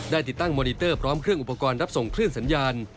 ติดตั้งมอนิเตอร์พร้อมเครื่องอุปกรณ์รับส่งคลื่นสัญญาณ